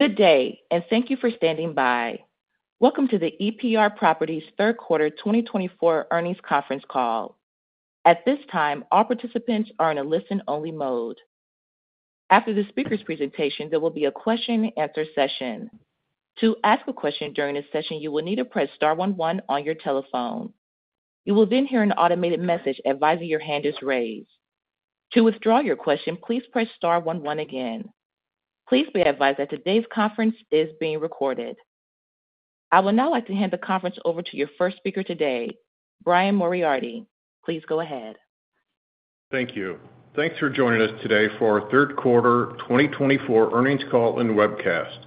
Good day, and thank you for standing by. Welcome to the EPR Properties third quarter 2024 earnings conference call. At this time, all participants are in a listen-only mode. After the speaker's presentation, there will be a question-and-answer session. To ask a question during this session, you will need to press star 11 on your telephone. You will then hear an automated message advising your hand is raised. To withdraw your question, please press star 11 again. Please be advised that today's conference is being recorded. I would now like to hand the conference over to your first speaker today, Brian Moriarty. Please go ahead. Thank you. Thanks for joining us today for our third quarter 2024 earnings call and webcast.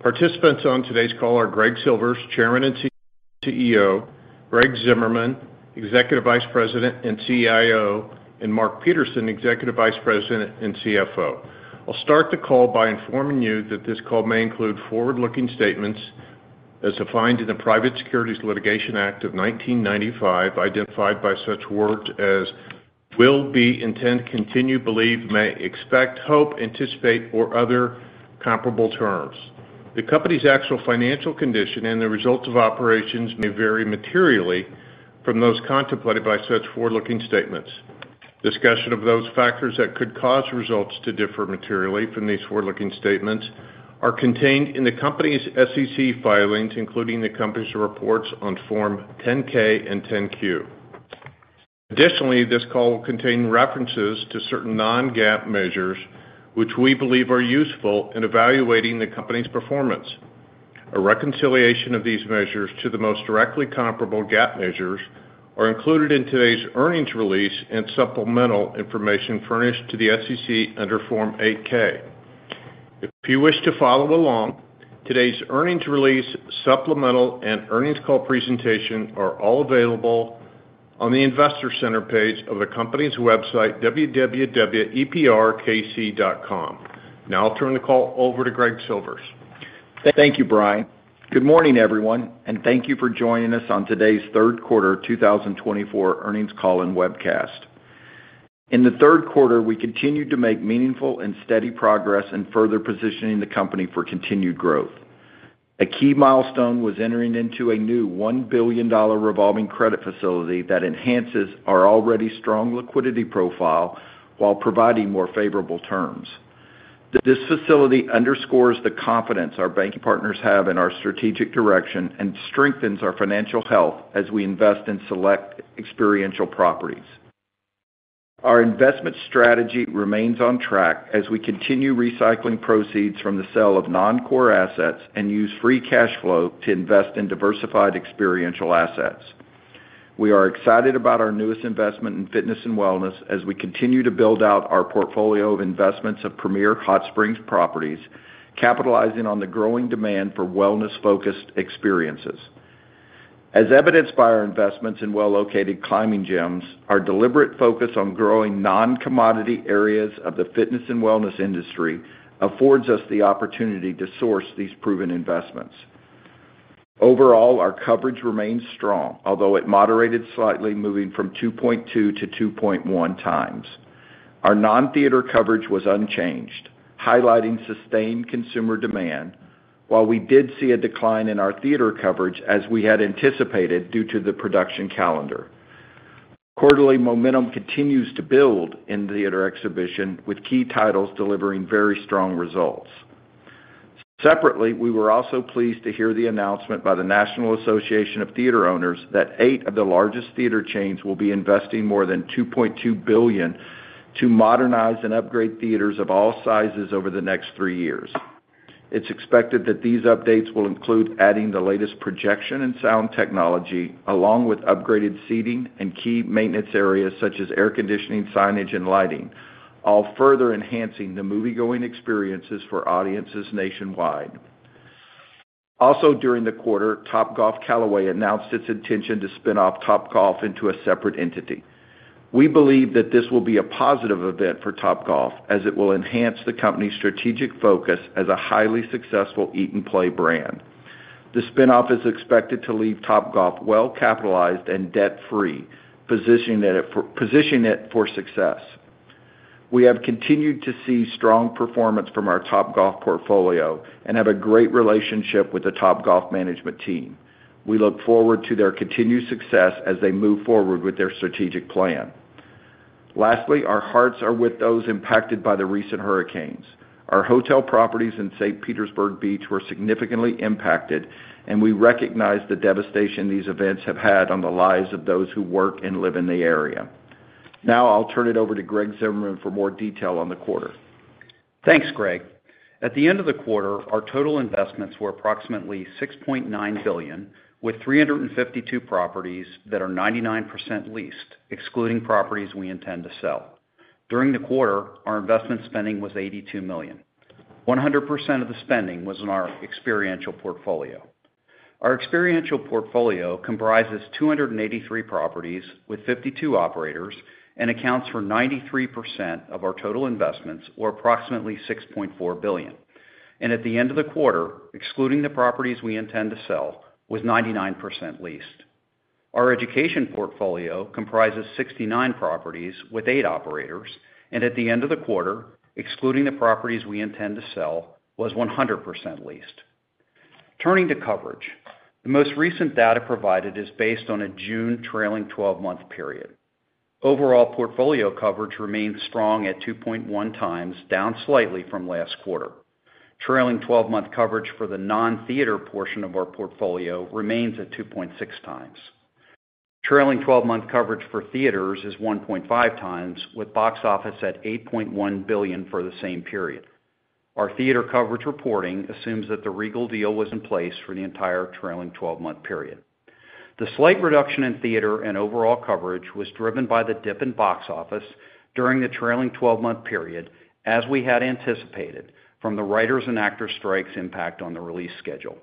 Participants on today's call are Greg Silvers, Chairman and CEO, Greg Zimmerman, Executive Vice President and CIO, and Mark Peterson, Executive Vice President and CFO. I'll start the call by informing you that this call may include forward-looking statements as defined in the Private Securities Litigation Reform Act of 1995, identified by such words as will, be, intend, continue, believe, may, expect, hope, anticipate, or other comparable terms. The company's actual financial condition and the results of operations may vary materially from those contemplated by such forward-looking statements. Discussion of those factors that could cause results to differ materially from these forward-looking statements are contained in the company's SEC filings, including the company's reports on Form 10-K and 10-Q. Additionally, this call will contain references to certain non-GAAP measures, which we believe are useful in evaluating the company's performance. A reconciliation of these measures to the most directly comparable GAAP measures is included in today's earnings release and supplemental information furnished to the SEC under Form 8-K. If you wish to follow along, today's earnings release, supplemental, and earnings call presentation are all available on the Investor Center page of the company's website, www.eprkc.com. Now I'll turn the call over to Greg Silvers. Thank you, Brian. Good morning, everyone, and thank you for joining us on today's third quarter 2024 earnings call and webcast. In the third quarter, we continued to make meaningful and steady progress in further positioning the company for continued growth. A key milestone was entering into a new $1 billion revolving credit facility that enhances our already strong liquidity profile while providing more favorable terms. This facility underscores the confidence our banking partners have in our strategic direction and strengthens our financial health as we invest in select experiential properties. Our investment strategy remains on track as we continue recycling proceeds from the sale of non-core assets and use free cash flow to invest in diversified experiential assets. We are excited about our newest investment in fitness and wellness as we continue to build out our portfolio of investments of Premier Hot Springs Properties, capitalizing on the growing demand for wellness-focused experiences. As evidenced by our investments in well-located climbing gyms, our deliberate focus on growing non-commodity areas of the fitness and wellness industry affords us the opportunity to source these proven investments. Overall, our coverage remains strong, although it moderated slightly, moving from 2.2 to 2.1 times. Our non-theater coverage was unchanged, highlighting sustained consumer demand, while we did see a decline in our theater coverage as we had anticipated due to the production calendar. Quarterly momentum continues to build in theater exhibition, with key titles delivering very strong results. Separately, we were also pleased to hear the announcement by the National Association of Theatre Owners that eight of the largest theater chains will be investing more than $2.2 billion to modernize and upgrade theaters of all sizes over the next three years. It's expected that these updates will include adding the latest projection and sound technology, along with upgraded seating and key maintenance areas such as air conditioning, signage, and lighting, all further enhancing the movie-going experiences for audiences nationwide. Also, during the quarter, Topgolf Callaway announced its intention to spin off Topgolf into a separate entity. We believe that this will be a positive event for Topgolf as it will enhance the company's strategic focus as a highly successful eat-and-play brand. The spin-off is expected to leave Topgolf well-capitalized and debt-free, positioning it for success. We have continued to see strong performance from our Topgolf portfolio and have a great relationship with the Topgolf management team. We look forward to their continued success as they move forward with their strategic plan. Lastly, our hearts are with those impacted by the recent hurricanes. Our hotel properties in St. Petersburg Beach were significantly impacted, and we recognize the devastation these events have had on the lives of those who work and live in the area. Now I'll turn it over to Greg Zimmerman for more detail on the quarter. Thanks, Greg. At the end of the quarter, our total investments were approximately $6.9 billion, with 352 properties that are 99% leased, excluding properties we intend to sell. During the quarter, our investment spending was $82 million. 100% of the spending was in our experiential portfolio. Our experiential portfolio comprises 283 properties with 52 operators and accounts for 93% of our total investments, or approximately $6.4 billion, and at the end of the quarter, excluding the properties we intend to sell, was 99% leased. Our education portfolio comprises 69 properties with eight operators, and at the end of the quarter, excluding the properties we intend to sell, was 100% leased. Turning to coverage, the most recent data provided is based on a June trailing 12-month period. Overall portfolio coverage remains strong at 2.1 times, down slightly from last quarter. Trailing 12-month coverage for the non-theater portion of our portfolio remains at 2.6 times. Trailing 12-month coverage for theaters is 1.5 times, with box office at $8.1 billion for the same period. Our theater coverage reporting assumes that the Regal deal was in place for the entire trailing 12-month period. The slight reduction in theater and overall coverage was driven by the dip in box office during the trailing 12-month period, as we had anticipated from the writers' and actors' strikes' impact on the release schedule.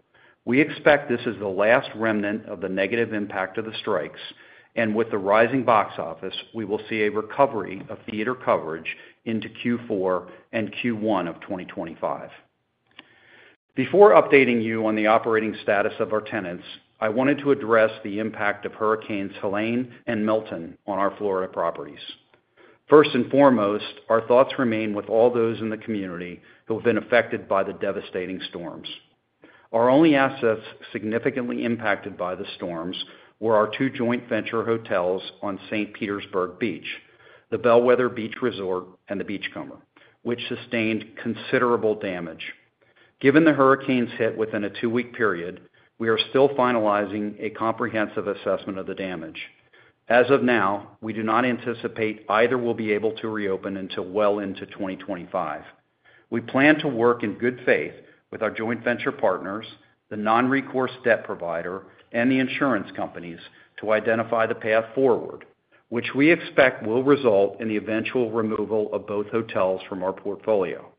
We expect this is the last remnant of the negative impact of the strikes, and with the rising box office, we will see a recovery of theater coverage into Q4 and Q1 of 2025. Before updating you on the operating status of our tenants, I wanted to address the impact of Hurricanes Helene and Milton on our Florida properties. First and foremost, our thoughts remain with all those in the community who have been affected by the devastating storms. Our only assets significantly impacted by the storms were our two joint venture hotels on St. Pete Beach, the Bellwether Beach Resort, and the Beachcomber, which sustained considerable damage. Given the hurricanes' hit within a two-week period, we are still finalizing a comprehensive assessment of the damage. As of now, we do not anticipate either will be able to reopen until well into 2025. We plan to work in good faith with our joint venture partners, the non-recourse debt provider, and the insurance companies to identify the path forward, which we expect will result in the eventual removal of both hotels from our portfolio.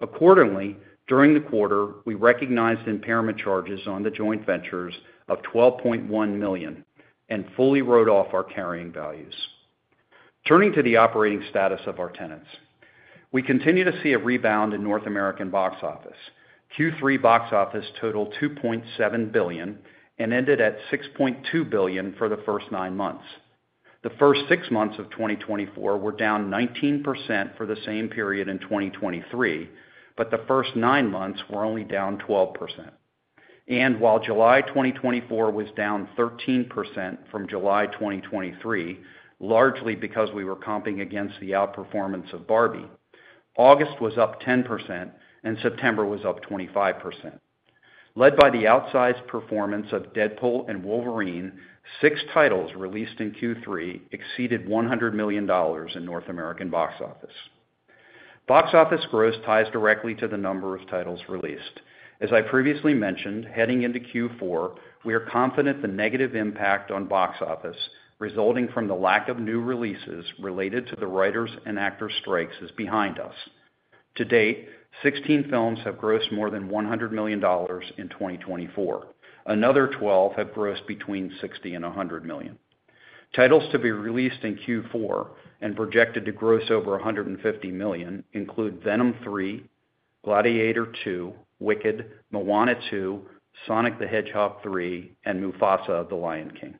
Accordingly, during the quarter, we recognized impairment charges on the joint ventures of $12.1 million and fully wrote off our carrying values. Turning to the operating status of our tenants, we continue to see a rebound in North American box office. Q3 box office totaled $2.7 billion and ended at $6.2 billion for the first nine months. The first six months of 2024 were down 19% for the same period in 2023, but the first nine months were only down 12%, and while July 2024 was down 13% from July 2023, largely because we were comping against the outperformance of Barbie, August was up 10%, and September was up 25%. Led by the outsized performance of Deadpool and Wolverine, six titles released in Q3 exceeded $100 million in North American box office. Box office gross ties directly to the number of titles released. As I previously mentioned, heading into Q4, we are confident the negative impact on box office resulting from the lack of new releases related to the writers' and actors' strikes is behind us. To date, 16 films have grossed more than $100 million in 2024. Another 12 have grossed between $60 and $100 million. Titles to be released in Q4 and projected to gross over $150 million include Venom 3, Gladiator 2, Wicked, Moana 2, Sonic the Hedgehog 3, and Mufasa: The Lion King.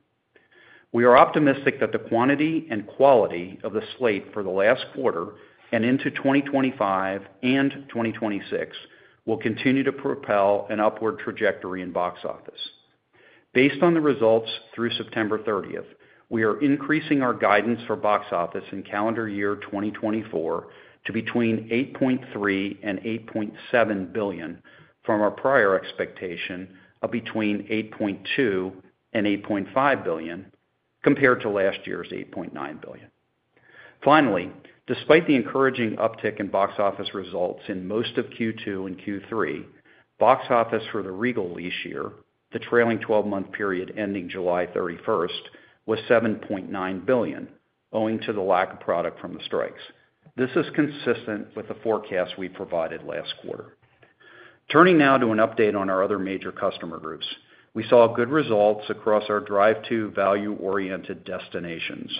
We are optimistic that the quantity and quality of the slate for the last quarter and into 2025 and 2026 will continue to propel an upward trajectory in box office. Based on the results through September 30th, we are increasing our guidance for box office in calendar year 2024 to between $8.3-$8.7 billion from our prior expectation of between $8.2-$8.5 billion compared to last year's $8.9 billion. Finally, despite the encouraging uptick in box office results in most of Q2 and Q3, box office for the Regal lease year, the trailing 12-month period ending July 31st, was $7.9 billion, owing to the lack of product from the strikes. This is consistent with the forecast we provided last quarter. Turning now to an update on our other major customer groups, we saw good results across our drive-to value-oriented destinations.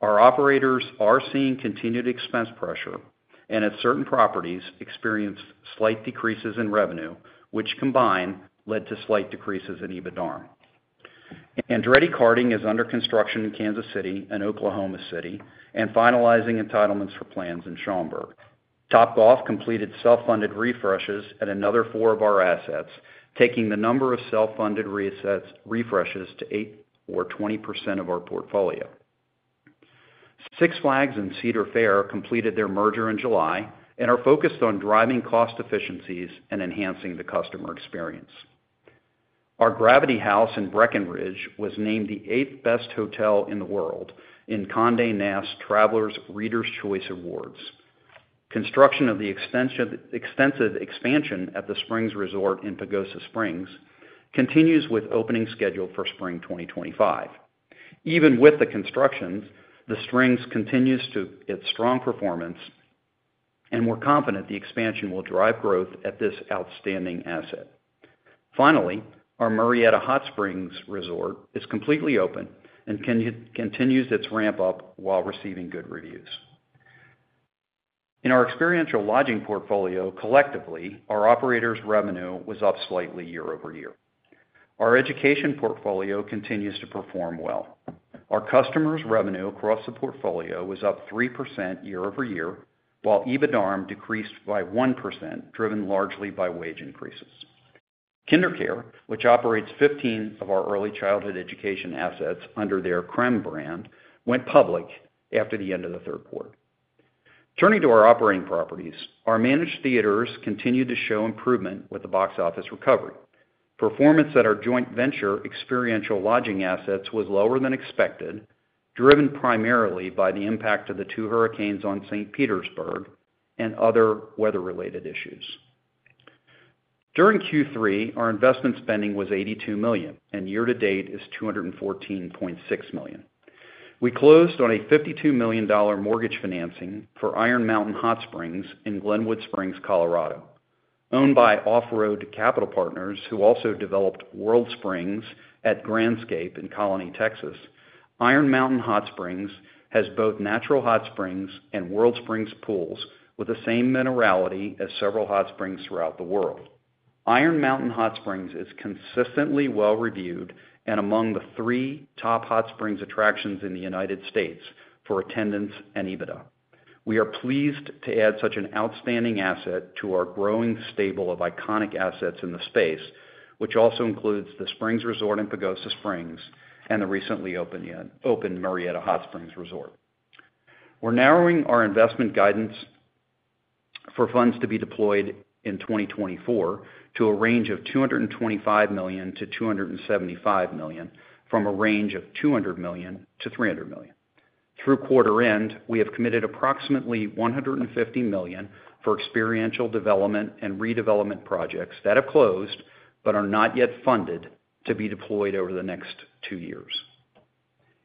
Our operators are seeing continued expense pressure, and at certain properties, experienced slight decreases in revenue, which combined led to slight decreases in EBITDA. Andretti Karting is under construction in Kansas City and Oklahoma City and finalizing entitlements for plans in Schaumburg. Topgolf completed self-funded refreshes at another four of our assets, taking the number of self-funded refreshes to eight or 20% of our portfolio. Six Flags and Cedar Fair completed their merger in July and are focused on driving cost efficiencies and enhancing the customer experience. Our Gravity Haus in Breckenridge was named the eighth-best hotel in the world in Condé Nast Traveler Readers' Choice Awards. Construction of the extensive expansion at The Springs Resort in Pagosa Springs continues with opening scheduled for spring 2025. Even with the constructions, the Springs continues to its strong performance, and we're confident the expansion will drive growth at this outstanding asset. Finally, our Murrieta Hot Springs Resort is completely open and continues its ramp-up while receiving good reviews. In our experiential lodging portfolio, collectively, our operators' revenue was up slightly year over year. Our education portfolio continues to perform well. Our customers' revenue across the portfolio was up 3% year over year, while EBITDA decreased by 1%, driven largely by wage increases. KinderCare, which operates 15 of our early childhood education assets under their Crème brand, went public after the end of the third quarter. Turning to our operating properties, our managed theaters continued to show improvement with the box office recovery. Performance at our joint venture experiential lodging assets was lower than expected, driven primarily by the impact of the two hurricanes on St. Pete Beach and other weather-related issues. During Q3, our investment spending was $82 million, and year-to-date is $214.6 million. We closed on a $52 million mortgage financing for Iron Mountain Hot Springs in Glenwood Springs, Colorado. Owned by Off Road Capital Partners, who also developed World Springs at Grandscape in The Colony, Texas, Iron Mountain Hot Springs has both natural hot springs and World Springs pools with the same minerality as several hot springs throughout the world. Iron Mountain Hot Springs is consistently well-reviewed and among the three top hot springs attractions in the United States for attendance and EBITDA. We are pleased to add such an outstanding asset to our growing stable of iconic assets in the space, which also includes the Springs Resort in Pagosa Springs and the recently opened Murrieta Hot Springs Resort. We're narrowing our investment guidance for funds to be deployed in 2024 to a range of $225 million-$275 million from a range of $200 million-$300 million. Through quarter end, we have committed approximately $150 million for experiential development and redevelopment projects that have closed but are not yet funded to be deployed over the next two years.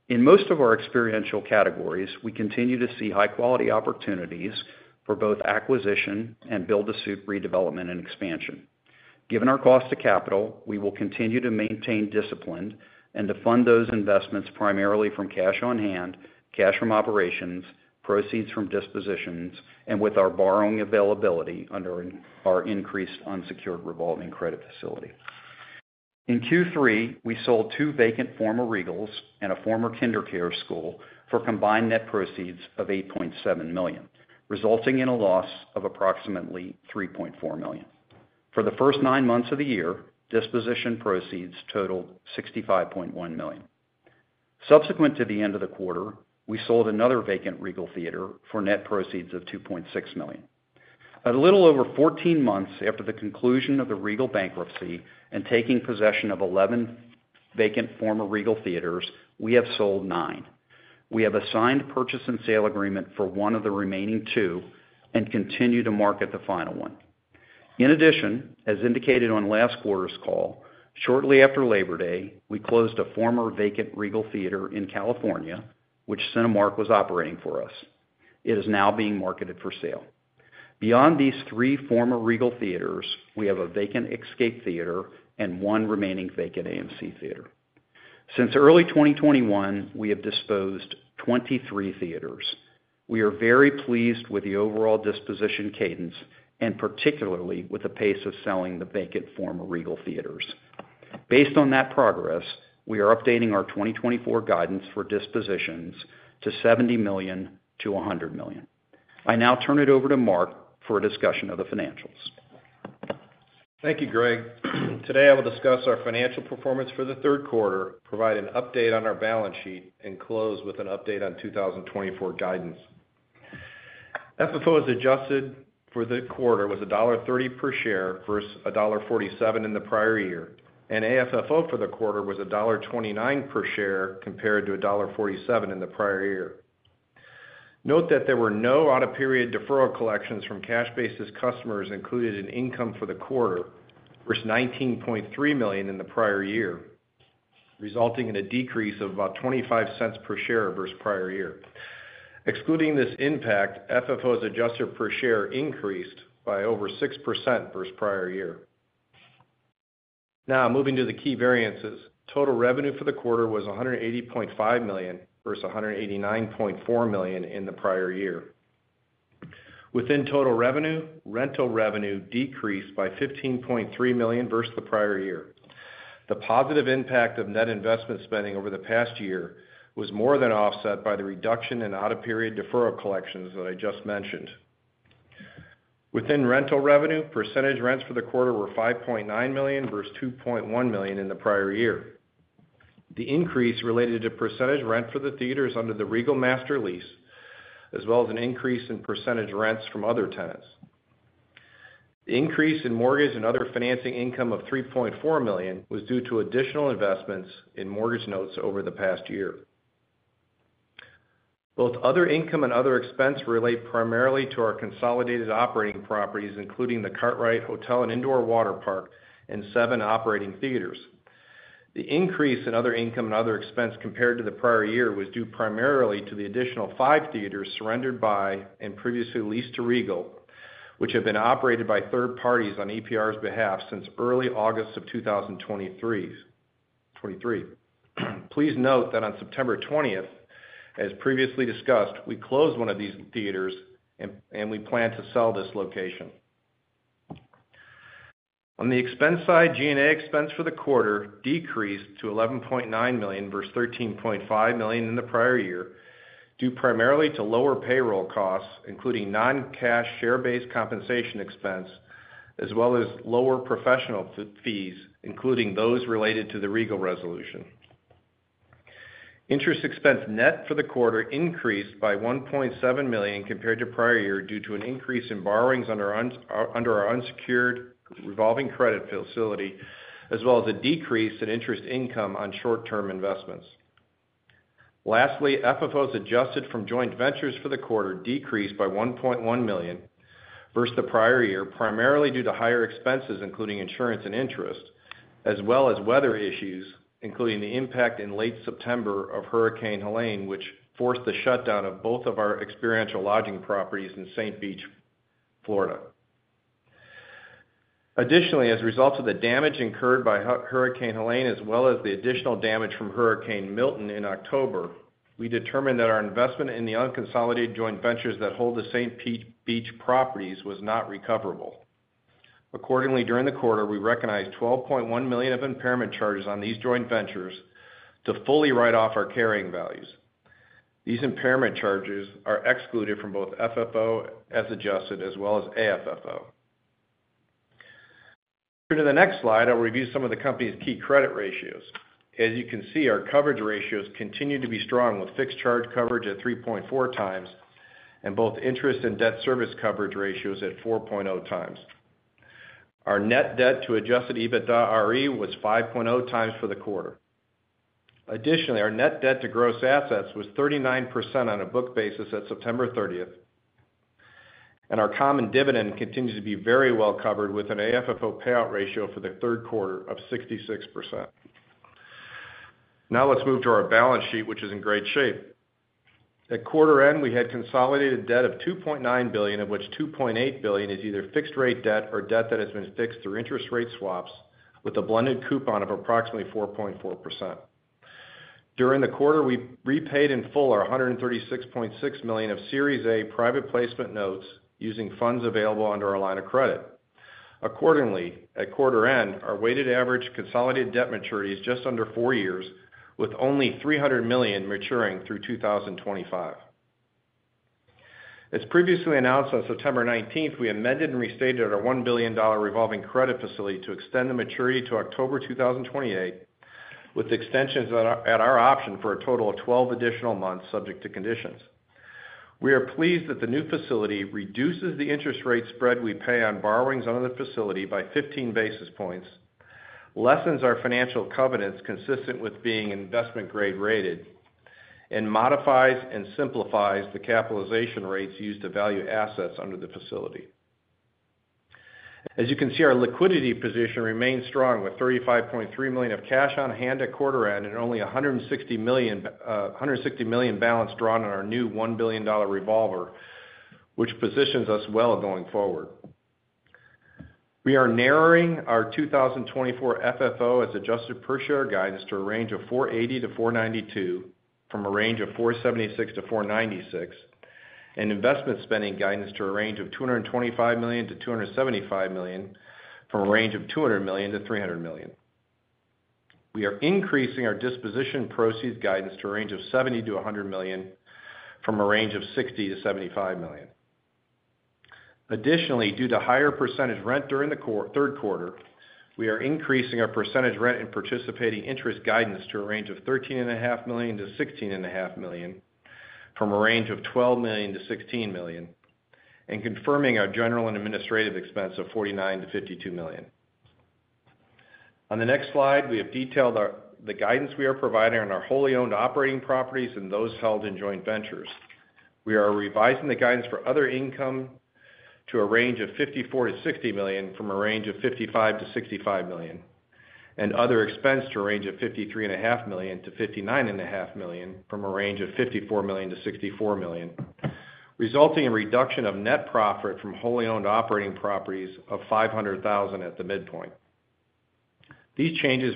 In most of our experiential categories, we continue to see high-quality opportunities for both acquisition and build-to-suit redevelopment and expansion. Given our cost of capital, we will continue to maintain discipline and to fund those investments primarily from cash on hand, cash from operations, proceeds from dispositions, and with our borrowing availability under our increased unsecured revolving credit facility. In Q3, we sold two vacant former Regals and a former KinderCare school for combined net proceeds of $8.7 million, resulting in a loss of approximately $3.4 million. For the first nine months of the year, disposition proceeds totaled $65.1 million. Subsequent to the end of the quarter, we sold another vacant Regal theater for net proceeds of $2.6 million. A little over 14 months after the conclusion of the Regal bankruptcy and taking possession of 11 vacant former Regal theaters, we have sold nine. We have a signed purchase and sale agreement for one of the remaining two and continue to market the final one. In addition, as indicated on last quarter's call, shortly after Labor Day, we closed a former vacant Regal theater in California, which Cinemark was operating for us. It is now being marketed for sale. Beyond these three former Regal theaters, we have a vacant Escape Theatre and one remaining vacant AMC Theatre. Since early 2021, we have disposed of 23 theaters. We are very pleased with the overall disposition cadence and particularly with the pace of selling the vacant former Regal theaters. Based on that progress, we are updating our 2024 guidance for dispositions to $70 million-$100 million. I now turn it over to Mark for a discussion of the financials. Thank you, Greg. Today, I will discuss our financial performance for the third quarter, provide an update on our balance sheet, and close with an update on 2024 guidance. FFO as adjusted for the quarter was $1.30 per share versus $1.47 in the prior year, and AFFO for the quarter was $1.29 per share compared to $1.47 in the prior year. Note that there were no out-of-period deferral collections from cash-basis customers included in income for the quarter versus $19.3 million in the prior year, resulting in a decrease of about $0.25 per share versus prior year. Excluding this impact, FFO as adjusted per share increased by over 6% versus prior year. Now, moving to the key variances, total revenue for the quarter was $180.5 million versus $189.4 million in the prior year. Within total revenue, rental revenue decreased by $15.3 million versus the prior year. The positive impact of net investment spending over the past year was more than offset by the reduction in out-of-period deferral collections that I just mentioned. Within rental revenue, percentage rents for the quarter were $5.9 million versus $2.1 million in the prior year. The increase related to percentage rent for the theaters under the Regal Master Lease, as well as an increase in percentage rents from other tenants. The increase in mortgage and other financing income of $3.4 million was due to additional investments in mortgage notes over the past year. Both other income and other expense relate primarily to our consolidated operating properties, including the Cartwright Hotel and Indoor Water Park and seven operating theaters. The increase in other income and other expense compared to the prior year was due primarily to the additional five theaters surrendered by and previously leased to Regal, which have been operated by third parties on EPR's behalf since early August of 2023. Please note that on September 20th, as previously discussed, we closed one of these theaters, and we plan to sell this location. On the expense side, G&A expense for the quarter decreased to $11.9 million versus $13.5 million in the prior year, due primarily to lower payroll costs, including non-cash share-based compensation expense, as well as lower professional fees, including those related to the Regal resolution. Interest expense net for the quarter increased by $1.7 million compared to prior year due to an increase in borrowings under our unsecured revolving credit facility, as well as a decrease in interest income on short-term investments. Lastly, FFO as adjusted from joint ventures for the quarter decreased by $1.1 million versus the prior year, primarily due to higher expenses, including insurance and interest, as well as weather issues, including the impact in late September of Hurricane Helene, which forced the shutdown of both of our experiential lodging properties in St. Pete Beach, Florida. Additionally, as a result of the damage incurred by Hurricane Helene, as well as the additional damage from Hurricane Milton in October, we determined that our investment in the unconsolidated joint ventures that hold the St. Pete Beach properties was not recoverable. Accordingly, during the quarter, we recognized $12.1 million of impairment charges on these joint ventures to fully write off our carrying values. These impairment charges are excluded from both FFO as adjusted as well as AFFO. To the next slide, I'll review some of the company's key credit ratios. As you can see, our coverage ratios continue to be strong with fixed charge coverage at 3.4 times and both interest and debt service coverage ratios at 4.0 times. Our net debt to Adjusted EBITDAre was 5.0 times for the quarter. Additionally, our net debt to gross assets was 39% on a book basis at September 30th, and our common dividend continues to be very well covered with an AFFO payout ratio for the third quarter of 66%. Now let's move to our balance sheet, which is in great shape. At quarter end, we had consolidated debt of $2.9 billion, of which $2.8 billion is either fixed-rate debt or debt that has been fixed through interest rate swaps with a blended coupon of approximately 4.4%. During the quarter, we repaid in full our $136.6 million of Series A private placement notes using funds available under our line of credit. Accordingly, at quarter end, our weighted average consolidated debt maturity is just under four years, with only $300 million maturing through 2025. As previously announced on September 19th, we amended and restated our $1 billion revolving credit facility to extend the maturity to October 2028, with extensions at our option for a total of 12 additional months subject to conditions. We are pleased that the new facility reduces the interest rate spread we pay on borrowings under the facility by 15 basis points, lessens our financial covenants consistent with being investment-grade rated, and modifies and simplifies the capitalization rates used to value assets under the facility. As you can see, our liquidity position remains strong with $35.3 million of cash on hand at quarter end and only $160 million balance drawn on our new $1 billion revolver, which positions us well going forward. We are narrowing our 2024 FFO as adjusted per share guidance to a range of $4.80-$4.92 from a range of $4.76-$4.96, and investment spending guidance to a range of $225-$275 million from a range of $200-$300 million. We are increasing our disposition proceeds guidance to a range of $70-$100 million from a range of $60-$75 million. Additionally, due to higher percentage rent during the third quarter, we are increasing our percentage rent and participating interest guidance to a range of $13.5-$16.5 million from a range of $12-$16 million, and confirming our general and administrative expense of $49-$52 million. On the next slide, we have detailed the guidance we are providing on our wholly owned operating properties and those held in joint ventures. We are revising the guidance for other income to a range of $54-$60 million from a range of $55-$65 million, and other expense to a range of $53.5-$59.5 million from a range of $54-$64 million, resulting in reduction of net profit from wholly owned operating properties of $500,000 at the midpoint. These changes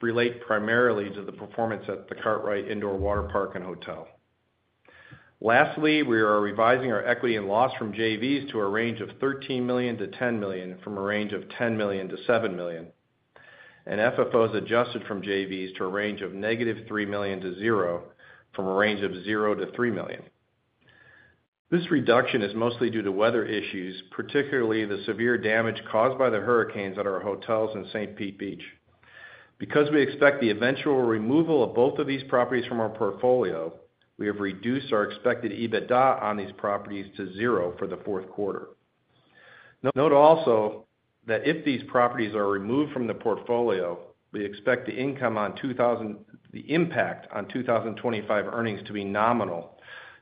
relate primarily to the performance at the Cartwright Indoor Water Park and Hotel. Lastly, we are revising our equity and loss from JVs to a range of $13-$10 million from a range of $10-$7 million, and FFO's adjusted from JVs to a range of negative $3-$0 million from a range of $0-$3 million. This reduction is mostly due to weather issues, particularly the severe damage caused by the hurricanes at our hotels in St. Pete Beach. Because we expect the eventual removal of both of these properties from our portfolio, we have reduced our expected EBITDA on these properties to $0 for the fourth quarter. Note also that if these properties are removed from the portfolio, we expect the impact on 2025 earnings to be nominal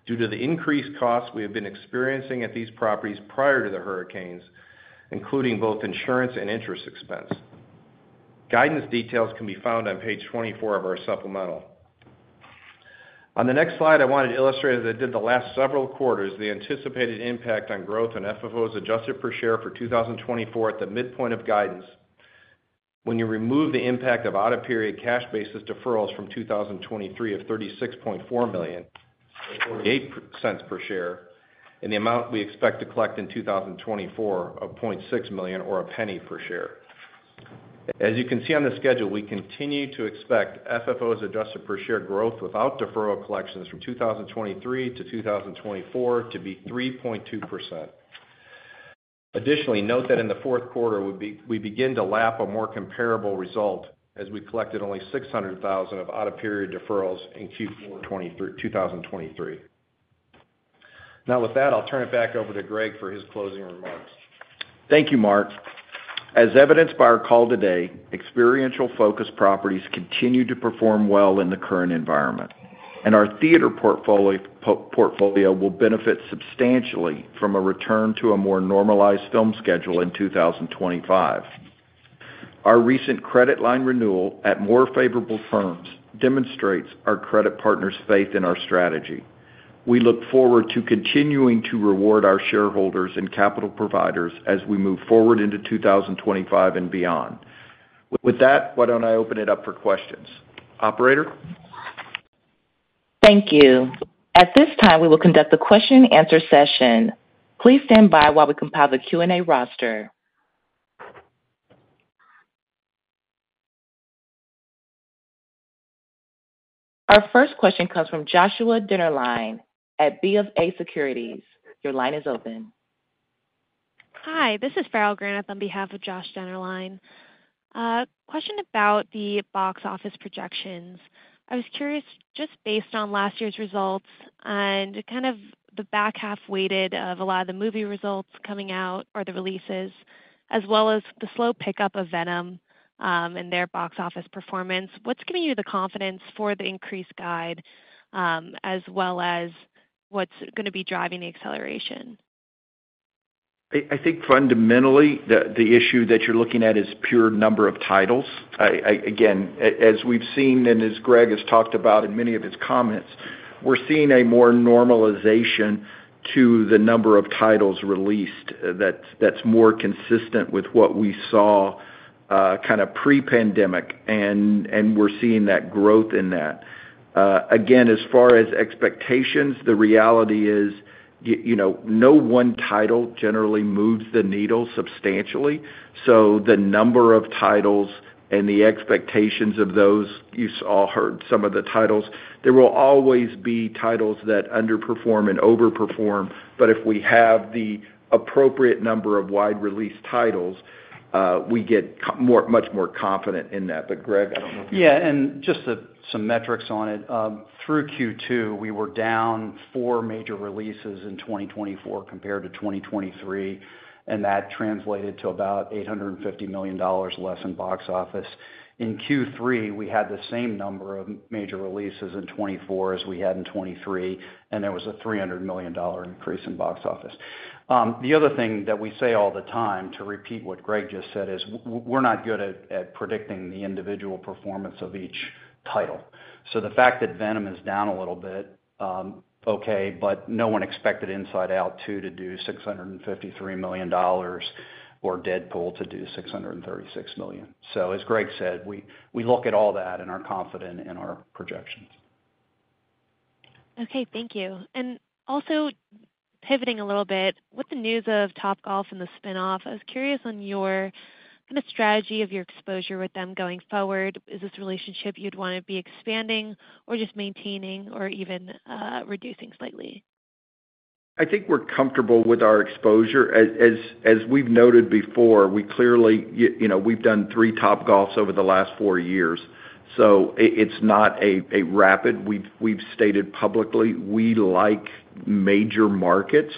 due to the increased costs we have been experiencing at these properties prior to the hurricanes, including both insurance and interest expense. Guidance details can be found on page 24 of our supplemental. On the next slide, I wanted to illustrate as I did the last several quarters the anticipated impact on growth on FFO as adjusted per share for 2024 at the midpoint of guidance when you remove the impact of out-of-period cash-basis deferrals from 2023 of $36.4 million or $0.48 per share and the amount we expect to collect in 2024 of $0.6 million or $0.01 per share. As you can see on the schedule, we continue to expect FFO as adjusted per share growth without deferral collections from 2023 to 2024 to be 3.2%. Additionally, note that in the fourth quarter, we begin to lap a more comparable result as we collected only $600,000 of out-of-period deferrals in Q4 2023. Now, with that, I'll turn it back over to Greg for his closing remarks. Thank you, Mark. As evidenced by our call today, experiential-focused properties continue to perform well in the current environment, and our theater portfolio will benefit substantially from a return to a more normalized film schedule in 2025. Our recent credit line renewal at more favorable terms demonstrates our credit partners' faith in our strategy. We look forward to continuing to reward our shareholders and capital providers as we move forward into 2025 and beyond. With that, why don't I open it up for questions? Operator? Thank you. At this time, we will conduct the question-and-answer session. Please stand by while we compile the Q&A roster. Our first question comes from Joshua Dennerline at BofA Securities. Your line is open. Hi, this is Farrell Granath on behalf of Joshua Dennerline. Question about the box office projections. I was curious, just based on last year's results and kind of the back half weighted of a lot of the movie results coming out or the releases, as well as the slow pickup of Venom and their box office performance, what's giving you the confidence for the increased guide, as well as what's going to be driving the acceleration? I think fundamentally, the issue that you're looking at is pure number of titles. Again, as we've seen and as Greg has talked about in many of his comments, we're seeing a more normalization to the number of titles released that's more consistent with what we saw kind of pre-pandemic, and we're seeing that growth in that. Again, as far as expectations, the reality is no one title generally moves the needle substantially. So the number of titles and the expectations of those you all heard, some of the titles, there will always be titles that underperform and overperform, but if we have the appropriate number of wide-release titles, we get much more confident in that. But Greg, I don't know if you... Yeah, and just some metrics on it. Through Q2, we were down four major releases in 2024 compared to 2023, and that translated to about $850 million less in box office. In Q3, we had the same number of major releases in 2024 as we had in 2023, and there was a $300 million increase in box office. The other thing that we say all the time, to repeat what Greg just said, is we're not good at predicting the individual performance of each title. So the fact that Venom is down a little bit, okay, but no one expected Inside Out 2 to do $653 million or Deadpool to do $636 million. So as Greg said, we look at all that and are confident in our projections. Okay, thank you. And also pivoting a little bit, with the news of Topgolf and the spinoff, I was curious on your kind of strategy of your exposure with them going forward. Is this relationship you'd want to be expanding or just maintaining or even reducing slightly? I think we're comfortable with our exposure. As we've noted before, we clearly, we've done three Topgolf over the last four years. So it's not a rapid, we've stated publicly we like major markets.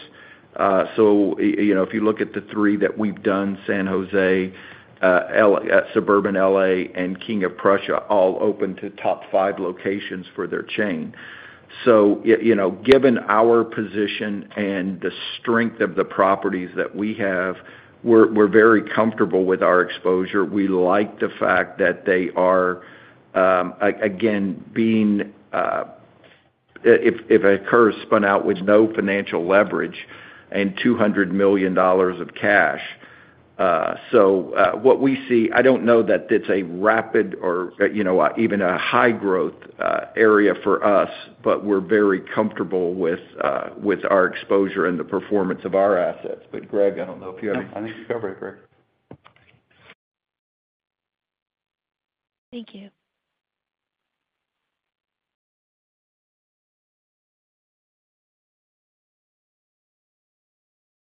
So if you look at the three that we've done, San Jose, Suburban Los Angeles, and King of Prussia, all open to top five locations for their chain. So given our position and the strength of the properties that we have, we're very comfortable with our exposure. We like the fact that they are, again, being, if it occurs, spun out with no financial leverage and $200 million of cash. So what we see, I don't know that it's a rapid or even a high-growth area for us, but we're very comfortable with our exposure and the performance of our assets. But Greg, I don't know if you have. I think you covered it, Greg. Thank you.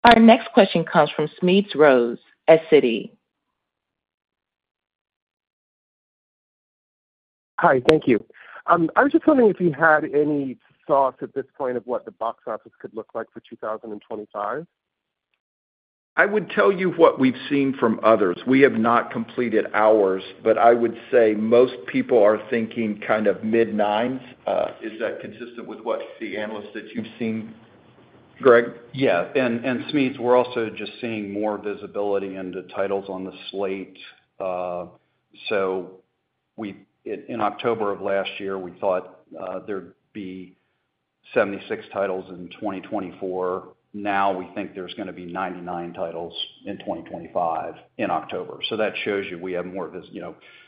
Our next question comes from Smedes Rose at Citi. Hi, thank you. I was just wondering if you had any thoughts at this point of what the box office could look like for 2025? I would tell you what we've seen from others. We have not completed ours, but I would say most people are thinking kind of mid-9s. Is that consistent with what the analysts that you've seen, Greg? Yeah. And Smedes, we're also just seeing more visibility into titles on the slate. So in October of last year, we thought there'd be 76 titles in 2024. Now we think there's going to be 99 titles in 2025 in October. So that shows you we have more.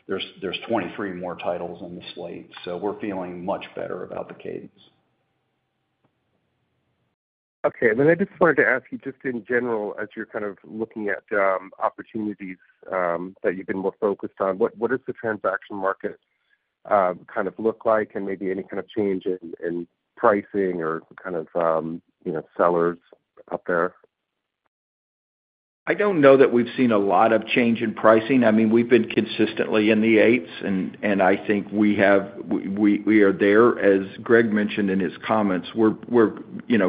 There's 23 more titles on the slate. So we're feeling much better about the cadence. Okay. And then I just wanted to ask you, just in general, as you're kind of looking at opportunities that you've been more focused on, what does the transaction market kind of look like and maybe any kind of change in pricing or kind of sellers up there? I don't know that we've seen a lot of change in pricing. I mean, we've been consistently in the 8s, and I think we are there. As Greg mentioned in his comments,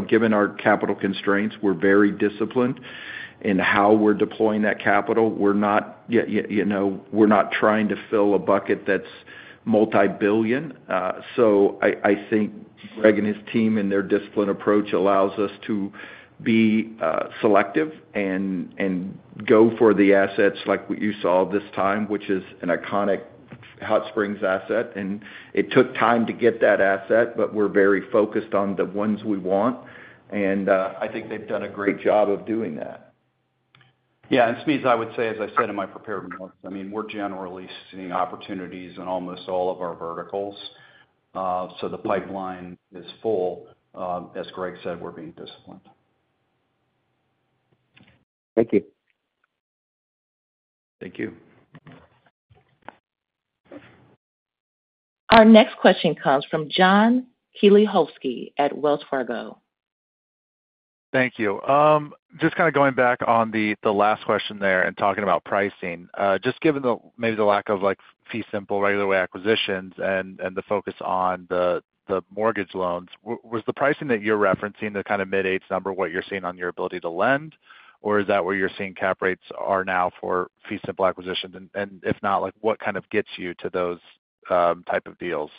given our capital constraints, we're very disciplined in how we're deploying that capital. We're not trying to fill a bucket that's multibillion. So I think Greg and his team and their disciplined approach allows us to be selective and go for the assets like what you saw this time, which is an iconic Hot Springs asset. And it took time to get that asset, but we're very focused on the ones we want. And I think they've done a great job of doing that. Yeah. And Smedes, I would say, as I said in my prepared remarks, I mean, we're generally seeing opportunities in almost all of our verticals. So the pipeline is full. As Greg said, we're being disciplined. Thank you. Thank you. Our next question comes from John Kilichowski at Wells Fargo. Thank you. Just kind of going back on the last question there and talking about pricing, just given maybe the lack of fee simple regular way acquisitions and the focus on the mortgage loans, was the pricing that you're referencing the kind of mid-8s number what you're seeing on your ability to lend, or is that where you're seeing cap rates are now for fee simple acquisitions? And if not, what kind of gets you to those type of deals?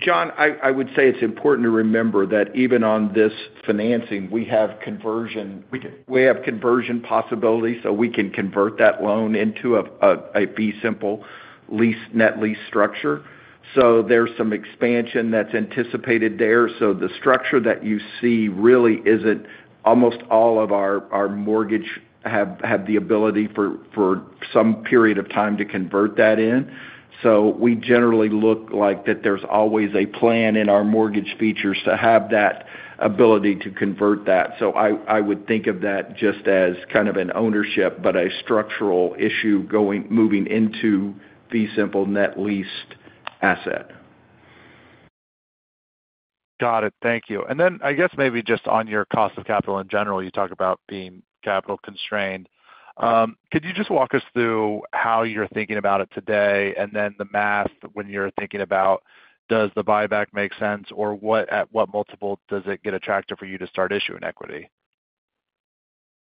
John, I would say it's important to remember that even on this financing, we have conversion possibilities. So we can convert that loan into a fee simple net lease structure. So there's some expansion that's anticipated there. So the structure that you see really isn't. Almost all of our mortgage have the ability for some period of time to convert that in. So we generally look like that there's always a plan in our mortgage features to have that ability to convert that. So I would think of that just as kind of an ownership, but a structural issue moving into fee simple net lease asset. Got it. Thank you. And then I guess maybe just on your cost of capital in general, you talk about being capital constrained. Could you just walk us through how you're thinking about it today and then the math when you're thinking about, does the buyback make sense, or at what multiple does it get attractive for you to start issuing equity?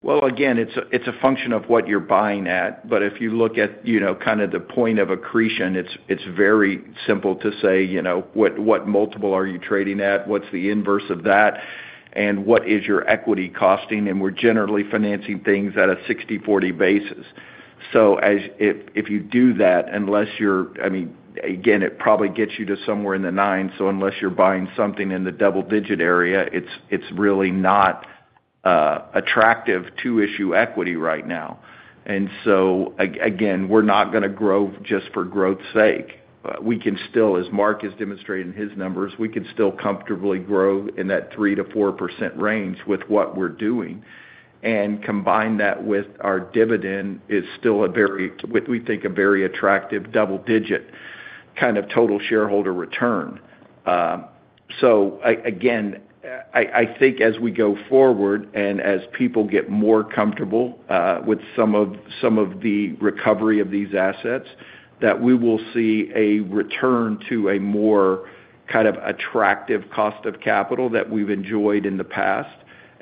Again, it's a function of what you're buying at. But if you look at kind of the point of accretion, it's very simple to say, what multiple are you trading at? What's the inverse of that? And what is your equity costing? And we're generally financing things at a 60/40 basis. So if you do that, unless you're, I mean, again, it probably gets you to somewhere in the 9s. So unless you're buying something in the double-digit area, it's really not attractive to issue equity right now. And so again, we're not going to grow just for growth's sake. We can still, as Mark is demonstrating his numbers, we can still comfortably grow in that 3%-4% range with what we're doing. And combine that with our dividend, it's still a very, we think a very attractive double-digit kind of total shareholder return. So again, I think as we go forward and as people get more comfortable with some of the recovery of these assets, that we will see a return to a more kind of attractive cost of capital that we've enjoyed in the past.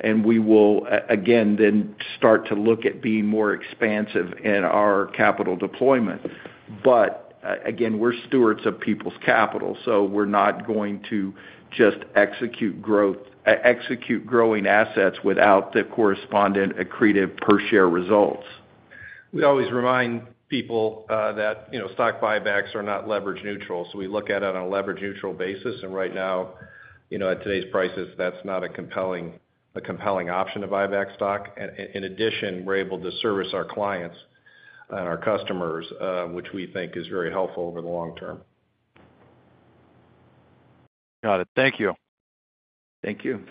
And we will, again, then start to look at being more expansive in our capital deployment. But again, we're stewards of people's capital. So we're not going to just execute growing assets without the corresponding accretive per-share results. We always remind people that stock buybacks are not leverage neutral. So we look at it on a leverage neutral basis, and right now, at today's prices, that's not a compelling option to buyback stock. In addition, we're able to service our clients and our customers, which we think is very helpful over the long term. Got it. Thank you. Thank you.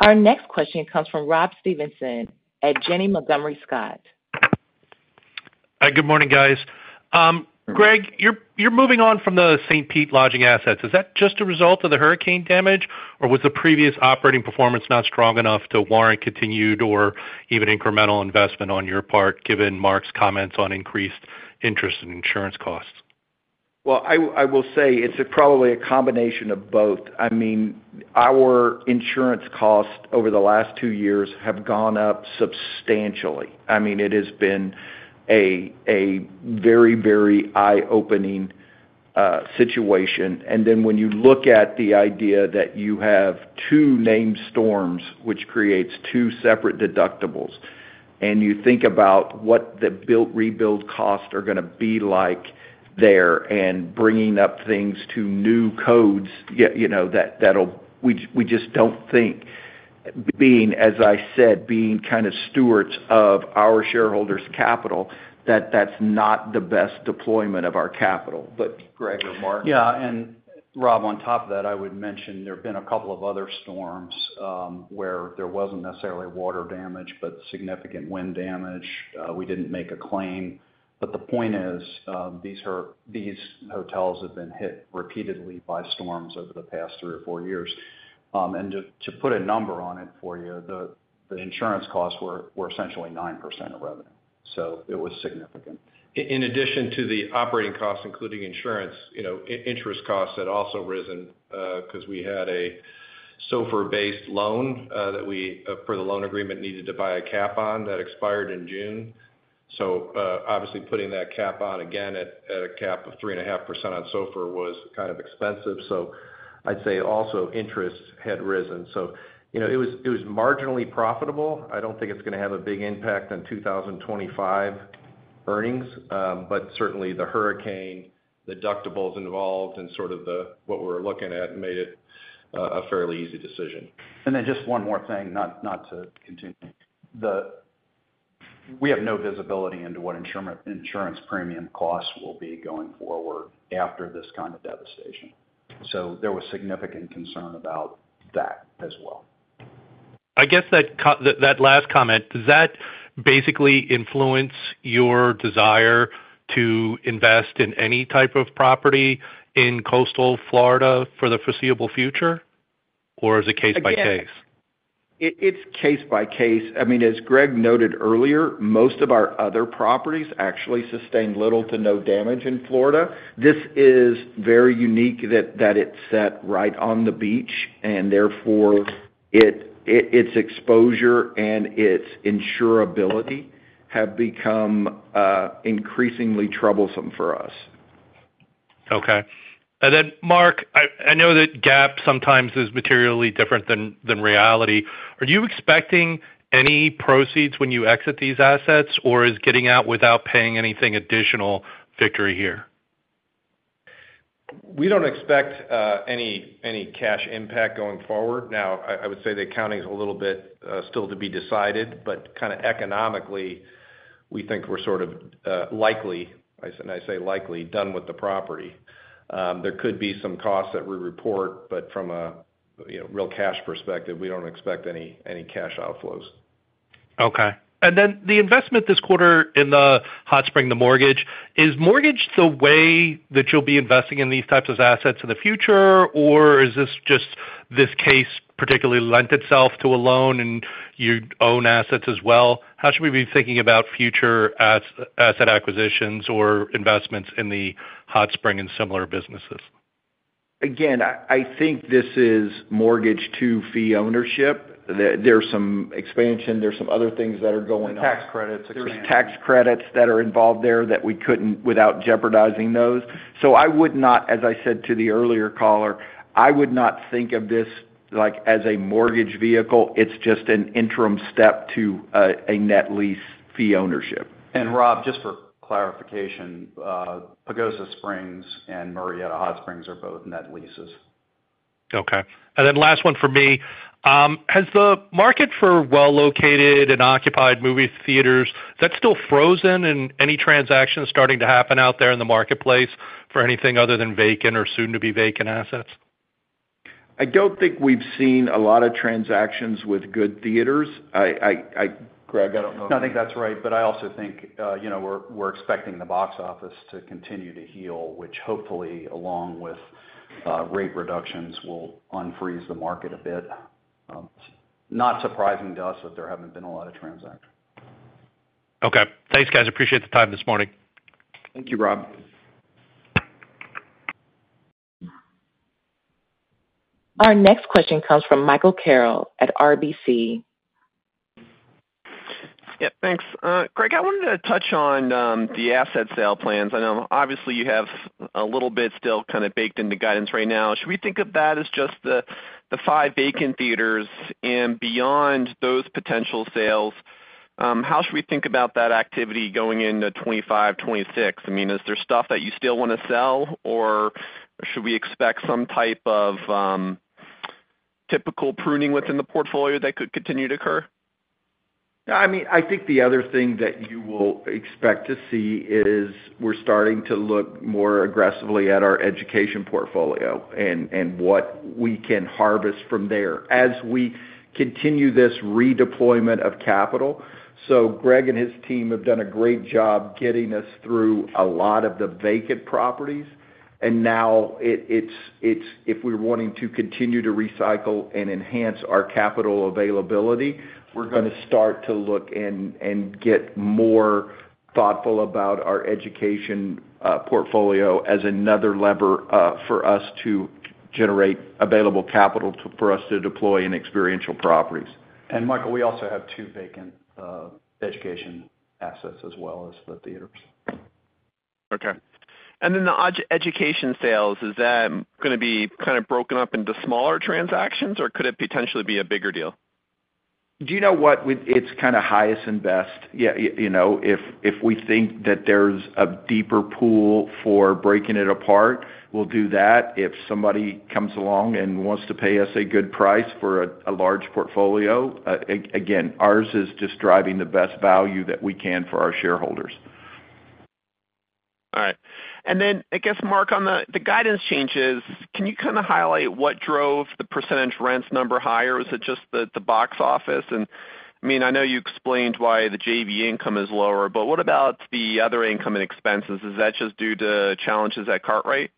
Our next question comes from Rob Stevenson at Janney Montgomery Scott. Hi, good morning, guys. Greg, you're moving on from the St. Pete lodging assets. Is that just a result of the hurricane damage, or was the previous operating performance not strong enough to warrant continued or even incremental investment on your part, given Mark's comments on increased interest and insurance costs? I will say it's probably a combination of both. I mean, our insurance costs over the last two years have gone up substantially. I mean, it has been a very, very eye-opening situation, and then when you look at the idea that you have two named storms, which creates two separate deductibles, and you think about what the rebuild costs are going to be like there and bringing up things to new codes that we just don't think, as I said, being kind of stewards of our shareholders' capital, that that's not the best deployment of our capital. But Greg or Mark? Yeah. And Rob, on top of that, I would mention there have been a couple of other storms where there wasn't necessarily water damage, but significant wind damage. We didn't make a claim. But the point is these hotels have been hit repeatedly by storms over the past three or four years. And to put a number on it for you, the insurance costs were essentially 9% of revenue. So it was significant. In addition to the operating costs, including insurance, interest costs had also risen because we had a SOFR-based loan that we, for the loan agreement, needed to buy a cap on that expired in June. So obviously, putting that cap on again at a cap of 3.5% on SOFR was kind of expensive. So I'd say also interest had risen. So it was marginally profitable. I don't think it's going to have a big impact on 2025 earnings, but certainly the hurricane deductibles involved and sort of what we were looking at made it a fairly easy decision. Then just one more thing, not to continue. We have no visibility into what insurance premium costs will be going forward after this kind of devastation. So there was significant concern about that as well. I guess that last comment, does that basically influence your desire to invest in any type of property in Coastal Florida for the foreseeable future, or is it case by case? It's case by case. I mean, as Greg noted earlier, most of our other properties actually sustained little to no damage in Florida. This is very unique that it's set right on the beach, and therefore its exposure and its insurability have become increasingly troublesome for us. Okay. And then, Mark, I know that gap sometimes is materially different than reality. Are you expecting any proceeds when you exit these assets, or is getting out without paying anything additional victory here? We don't expect any cash impact going forward. Now, I would say the accounting is a little bit still to be decided, but kind of economically, we think we're sort of likely, and I say likely, done with the property. There could be some costs that we report, but from a real cash perspective, we don't expect any cash outflows. Okay. And then the investment this quarter in the hot springs, the mortgage, is mortgage the way that you'll be investing in these types of assets in the future, or is this just this case particularly lent itself to a loan and you own assets as well? How should we be thinking about future asset acquisitions or investments in the hot springs and similar businesses? Again, I think this is mortgage to fee ownership. There's some expansion. There's some other things that are going on. There's tax credits. There's tax credits that are involved there that we couldn't without jeopardizing those. So I would not, as I said to the earlier caller, I would not think of this as a mortgage vehicle. It's just an interim step to a net lease fee ownership. Rob, just for clarification, Pagosa Springs and Murrieta Hot Springs are both net leases. Okay. And then last one for me. Has the market for well-located and occupied movie theaters, is that still frozen in any transactions starting to happen out there in the marketplace for anything other than vacant or soon-to-be-vacant assets? I don't think we've seen a lot of transactions with good theaters. Greg, I don't know. I think that's right. But I also think we're expecting the box office to continue to heal, which hopefully, along with rate reductions, will unfreeze the market a bit. Not surprising to us that there haven't been a lot of transactions. Okay. Thanks, guys. Appreciate the time this morning. Thank you, Rob. Our next question comes from Michael Carroll at RBC. Yeah. Thanks. Greg, I wanted to touch on the asset sale plans. I know obviously you have a little bit still kind of baked into guidance right now. Should we think of that as just the five vacant theaters and beyond those potential sales, how should we think about that activity going into 2025, 2026? I mean, is there stuff that you still want to sell, or should we expect some type of typical pruning within the portfolio that could continue to occur? Yeah. I mean, I think the other thing that you will expect to see is we're starting to look more aggressively at our education portfolio and what we can harvest from there as we continue this redeployment of capital, so Greg and his team have done a great job getting us through a lot of the vacant properties, and now, if we're wanting to continue to recycle and enhance our capital availability, we're going to start to look and get more thoughtful about our education portfolio as another lever for us to generate available capital for us to deploy in experiential properties. Michael, we also have two vacant education assets as well as the theaters. Okay. And then the education sales, is that going to be kind of broken up into smaller transactions, or could it potentially be a bigger deal? Do you know what? It's kind of highest and best. If we think that there's a deeper pool for breaking it apart, we'll do that. If somebody comes along and wants to pay us a good price for a large portfolio, again, ours is just driving the best value that we can for our shareholders. All right. And then I guess, Mark, on the guidance changes, can you kind of highlight what drove the percentage rents number higher? Was it just the box office? And I mean, I know you explained why the JV income is lower, but what about the other income and expenses? Is that just due to challenges at Cartwright?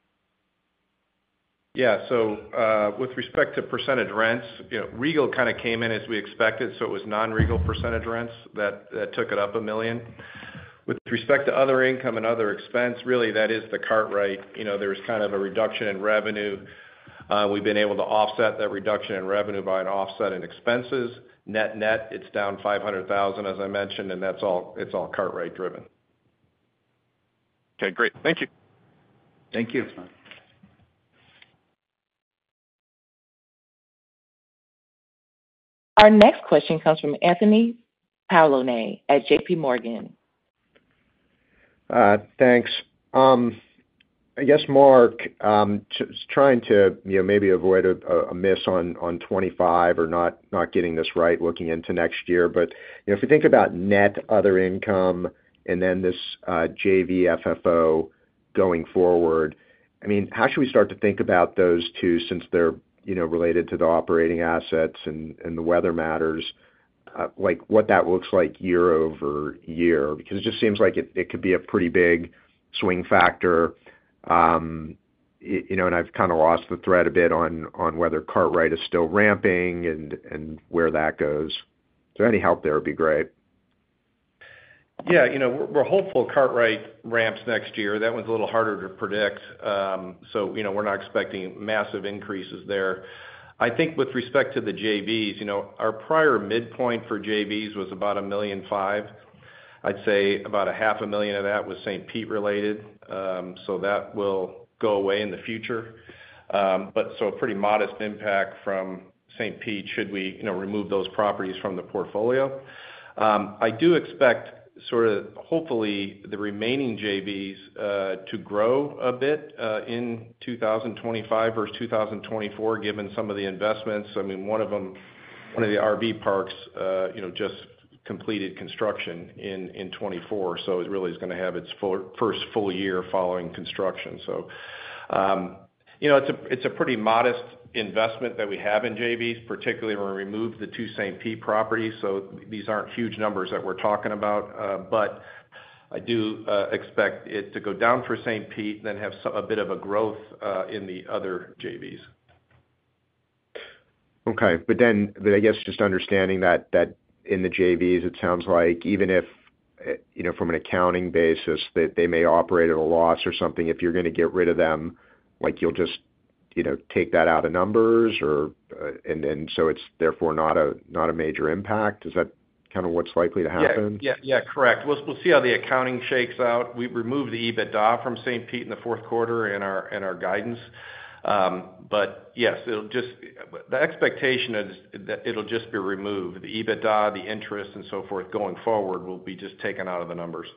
Yeah. So with respect to percentage rents, Regal kind of came in as we expected. So it was non-Regal percentage rents that took it up $1 million. With respect to other income and other expense, really, that is the Cartwright. There was kind of a reduction in revenue. We've been able to offset that reduction in revenue by an offset in expenses. Net net, it's down $500,000, as I mentioned, and that's all Cartwright driven. Okay. Great. Thank you. Thank you. Our next question comes from Anthony Paolone at JPMorgan. Thanks. I guess, Mark, just trying to maybe avoid a miss on 2025 or not getting this right looking into next year. But if we think about net other income and then this JV FFO going forward, I mean, how should we start to think about those two since they're related to the operating assets and the weather matters, what that looks like year over year? Because it just seems like it could be a pretty big swing factor. And I've kind of lost the thread a bit on whether Cartwright is still ramping and where that goes. So any help there would be great. Yeah. We're hopeful Cartwright ramps next year. That one's a little harder to predict. So we're not expecting massive increases there. I think with respect to the JVs, our prior midpoint for JVs was about $1.5 million. I'd say about $500,000 of that was St. Pete related. So that will go away in the future. But so a pretty modest impact from St. Pete should we remove those properties from the portfolio. I do expect sort of, hopefully, the remaining JVs to grow a bit in 2025 versus 2024, given some of the investments. I mean, one of them, one of the RV parks, just completed construction in 2024. So it really is going to have its first full year following construction. So it's a pretty modest investment that we have in JVs, particularly when we remove the two St. Pete properties. So these aren't huge numbers that we're talking about. But I do expect it to go down for St. Pete and then have a bit of a growth in the other JVs. Okay, but then I guess just understanding that in the JVs, it sounds like even if from an accounting basis, they may operate at a loss or something, if you're going to get rid of them, you'll just take that out of numbers, and so it's therefore not a major impact. Is that kind of what's likely to happen? Yeah. Yeah. Yeah. Correct. We'll see how the accounting shakes out. We removed the EBITDA from St. Pete in the fourth quarter in our guidance. But yes, the expectation is that it'll just be removed. The EBITDA, the interest, and so forth going forward will be just taken out of the numbers.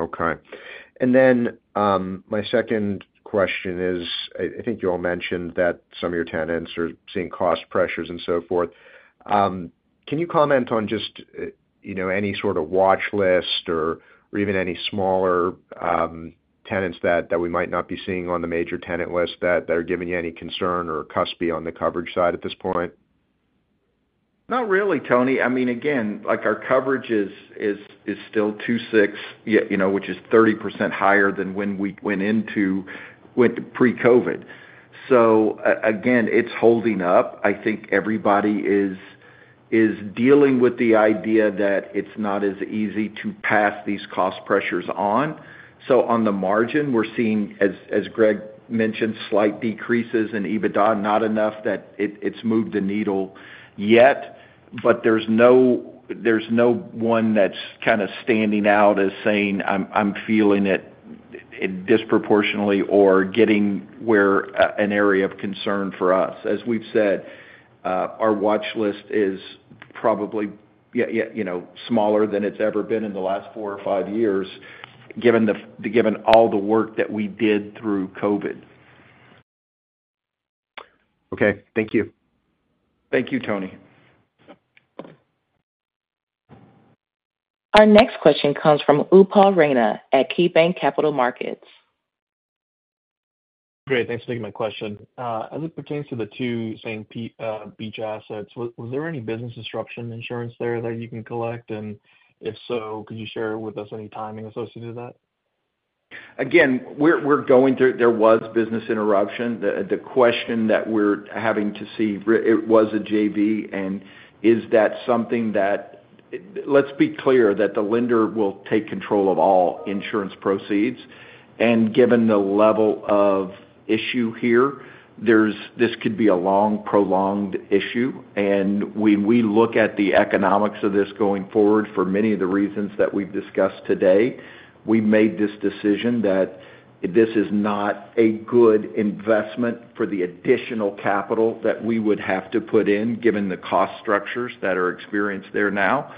Okay. And then my second question is, I think you all mentioned that some of your tenants are seeing cost pressures and so forth. Can you comment on just any sort of watch list or even any smaller tenants that we might not be seeing on the major tenant list that are giving you any concern or cusp-y on the coverage side at this point? Not really, Tony. I mean, again, our coverage is still 2.6, which is 30% higher than when we went into pre-COVID. So again, it's holding up. I think everybody is dealing with the idea that it's not as easy to pass these cost pressures on. So on the margin, we're seeing, as Greg mentioned, slight decreases in EBITDA, not enough that it's moved the needle yet. But there's no one that's kind of standing out as saying, "I'm feeling it disproportionately" or getting where an area of concern for us. As we've said, our watch list is probably smaller than it's ever been in the last four or five years, given all the work that we did through COVID. Okay. Thank you. Thank you, Tony. Our next question comes from Upal Rana at KeyBanc Capital Markets. Hey, Greg. Thanks for taking my question. As it pertains to the two St. Pete Beach assets, was there any business disruption insurance there that you can collect? And if so, could you share with us any timing associated with that? Again, we're going through. There was business interruption. The question that we're having to see, it was a JV. And is that something that, let's be clear, the lender will take control of all insurance proceeds. And given the level of issue here, this could be a long, prolonged issue. And when we look at the economics of this going forward, for many of the reasons that we've discussed today, we made this decision that this is not a good investment for the additional capital that we would have to put in, given the cost structures that are experienced there now.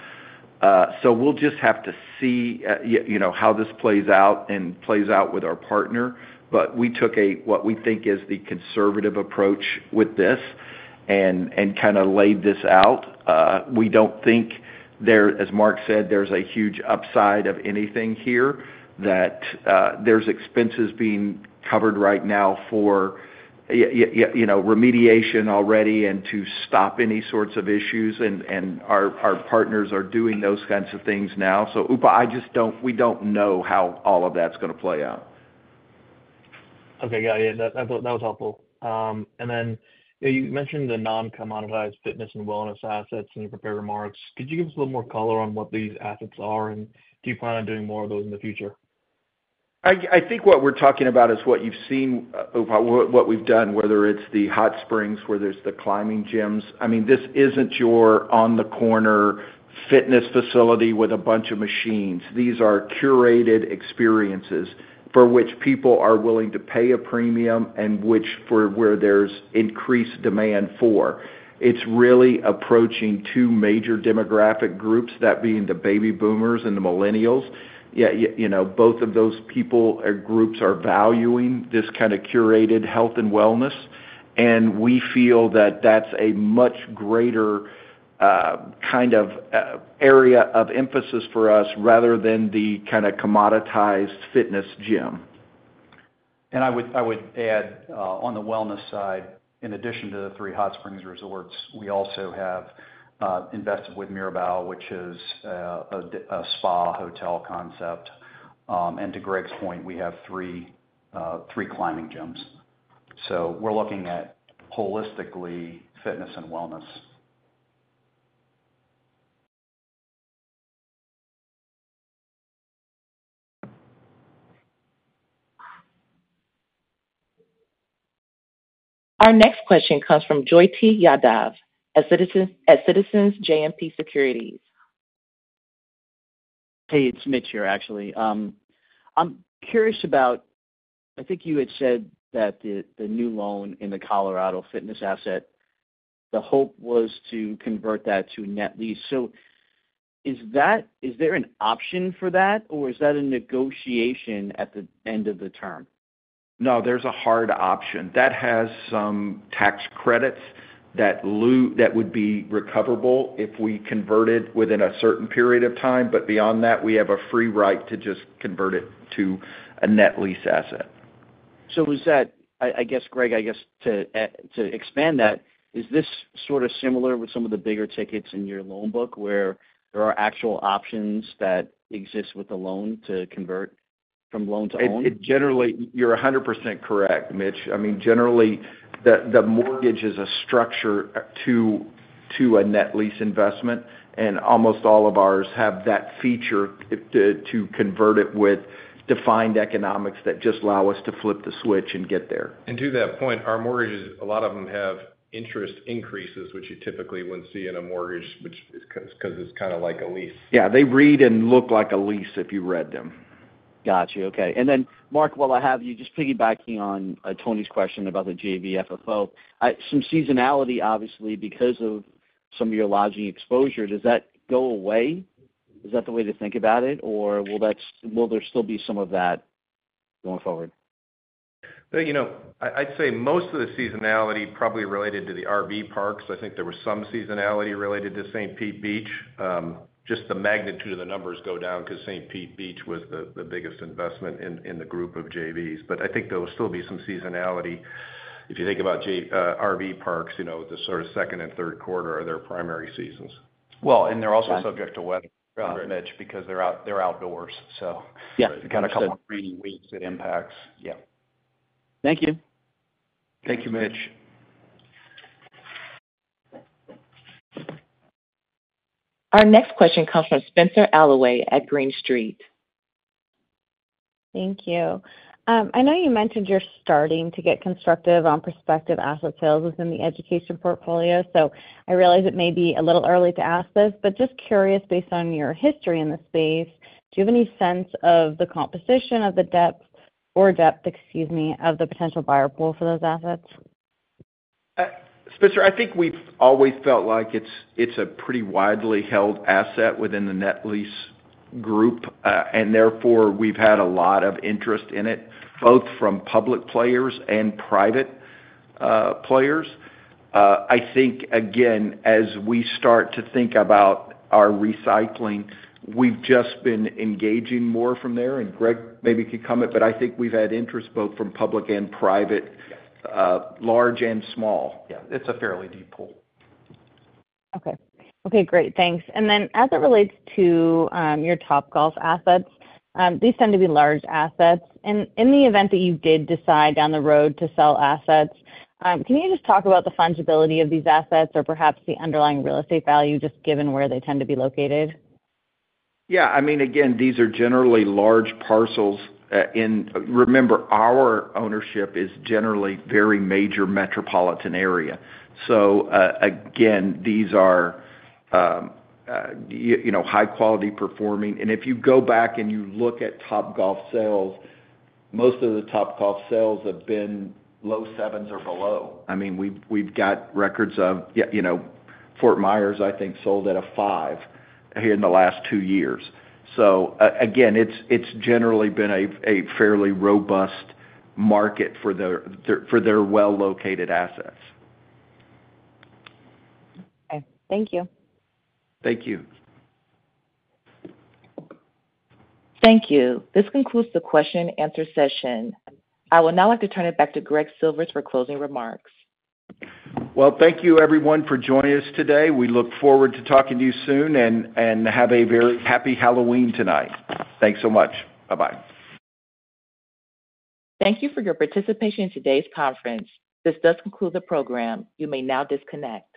So we'll just have to see how this plays out and plays out with our partner. But we took what we think is the conservative approach with this and kind of laid this out. We don't think, as Mark said, there's a huge upside of anything here, that there's expenses being covered right now for remediation already and to stop any sorts of issues. And our partners are doing those kinds of things now. So, Upal, we don't know how all of that's going to play out. Okay. Got it. That was helpful. And then you mentioned the non-commoditized fitness and wellness assets in your prepared remarks. Could you give us a little more color on what these assets are? And do you plan on doing more of those in the future? I think what we're talking about is what you've seen, Upal, what we've done, whether it's the Hot Springs, whether it's the climbing gyms. I mean, this isn't your on-the-corner fitness facility with a bunch of machines. These are curated experiences for which people are willing to pay a premium and for where there's increased demand for. It's really approaching two major demographic groups, that being the baby boomers and the millennials. Both of those people or groups are valuing this kind of curated health and wellness, and we feel that that's a much greater kind of area of emphasis for us rather than the kind of commoditized fitness gym. I would add, on the wellness side, in addition to the three hot springs resorts, we also have invested with Miraval, which is a spa hotel concept. And to Greg's point, we have three climbing gyms. We're looking at holistically fitness and wellness. Our next question comes from Jyoti Yadav at Citizens JMP Securities. Hey, it's Mitch here, actually. I'm curious about, I think you had said that the new loan in the Colorado fitness asset, the hope was to convert that to net lease. So is there an option for that, or is that a negotiation at the end of the term? No, there's a hard option. That has some tax credits that would be recoverable if we converted within a certain period of time. But beyond that, we have a free right to just convert it to a net lease asset. So is that, I guess, Greg, I guess to expand that, is this sort of similar with some of the bigger tickets in your loan book where there are actual options that exist with the loan to convert from loan to own? You're 100% correct, Mitch. I mean, generally, the mortgage is a structure to a net lease investment. And almost all of ours have that feature to convert it with defined economics that just allow us to flip the switch and get there. To that point, our mortgages, a lot of them have interest increases, which you typically wouldn't see in a mortgage, because it's kind of like a lease. Yeah. They read and look like a lease if you read them. Gotcha. Okay. And then, Mark, while I have you, just piggybacking on Tony's question about the JV FFO, some seasonality, obviously, because of some of your lodging exposure, does that go away? Is that the way to think about it? Or will there still be some of that going forward? I'd say most of the seasonality probably related to the RV parks. I think there was some seasonality related to St. Pete Beach. Just the magnitude of the numbers go down because St. Pete Beach was the biggest investment in the group of JVs. But I think there will still be some seasonality if you think about RV parks, the sort of second and third quarter are their primary seasons. Well, and they're also subject to weather, Mitch, because they're outdoors. So kind of a couple of rainy weeks, it impacts. Yeah. Thank you. Thank you, Mitch. Our next question comes from Spenser Allaway at Green Street. Thank you. I know you mentioned you're starting to get constructive on prospective asset sales within the education portfolio. So I realize it may be a little early to ask this, but just curious, based on your history in the space, do you have any sense of the composition of the depth of the potential buyer pool for those assets? Spenser, I think we've always felt like it's a pretty widely held asset within the net lease group, and therefore, we've had a lot of interest in it, both from public players and private players. I think, again, as we start to think about our recycling, we've just been engaging more from there, and Greg maybe could come at it, but I think we've had interest both from public and private, large and small. Yeah. It's a fairly deep pool. Okay. Okay. Great. Thanks. And then as it relates to your Topgolf assets, these tend to be large assets. And in the event that you did decide down the road to sell assets, can you just talk about the fungibility of these assets or perhaps the underlying real estate value, just given where they tend to be located? Yeah. I mean, again, these are generally large parcels. Remember, our ownership is generally very major metropolitan area. So again, these are high-quality performing. And if you go back and you look at Topgolf sales, most of the Topgolf sales have been low sevens or below. I mean, we've got records of Fort Myers, I think, sold at a five here in the last two years. So again, it's generally been a fairly robust market for their well-located assets. Okay. Thank you. Thank you. Thank you. This concludes the question-and-answer session. I would now like to turn it back to Greg Silvers for closing remarks. Thank you, everyone, for joining us today. We look forward to talking to you soon and have a very happy Halloween tonight. Thanks so much. Bye-bye. Thank you for your participation in today's conference. This does conclude the program. You may now disconnect.